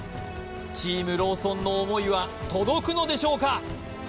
チームローソンの思いは届くのでしょうか